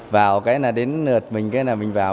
vào cái là đến mình cái là mình vào